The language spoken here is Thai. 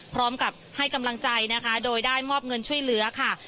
พร้อมกับให้กำลังใจนะคะโดยได้มอบเงินช่วยเหลือค่ะ